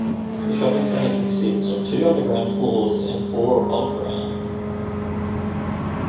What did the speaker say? The shopping center consists of two underground floors and four above ground.